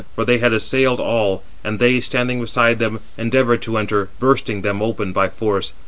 For they had assailed all, 406 and they, standing beside them, endeavoured to enter, bursting them open by force.